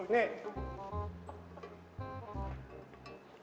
นี่